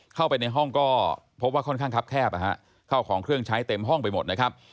เข้าไปในห้องก็พบว่าค่อนข้างคับแคบเข้าของเครื่องใช้เต็มห้องไปหมดนะครับ